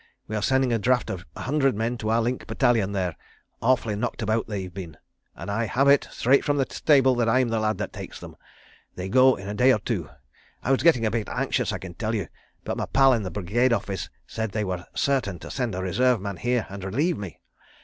We are sending a draft of a hundred men to our link battalion there—awfully knocked about they've been—and I have it, straight from the stable, that I'm the lad that takes them. ... They go in a day or two. ... I was getting a bit anxious, I can tell you—but my pal in the Brigade Office said they were certain to send a Reserve man here and relieve me. ...